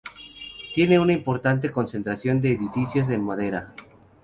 Tiene una importante concentración de edificios en madera.